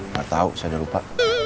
gak tau saya udah lupa